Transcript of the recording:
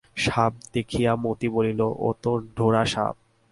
সাপ দেখিয়া মতি বলিল, ও তো ঢোড়া সাপ।